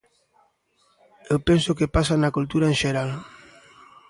Eu penso que pasa na cultura en xeral.